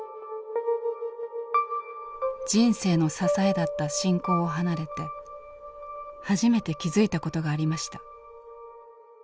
人生の支えだった信仰を離れて初めて気付いたことがありました。